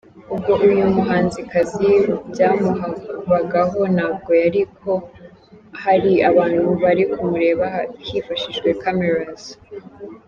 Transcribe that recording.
Ubwo uyu muhanzikazi byamubagaho ntabwo yari ko hari abantu bari kumureba hifashijwe cameras.